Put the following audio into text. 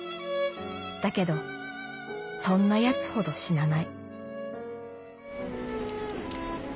だけどそんなヤツほど死なない」。